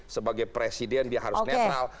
sebagai presiden dia harus netral